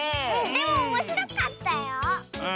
でもおもしろかったよ。